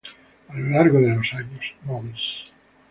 A lo largo de los años, Mons.